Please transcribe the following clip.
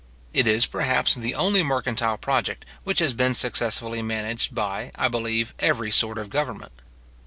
It is, perhaps, the only mercantile project which has been successfully managed by, I believe, every sort of government.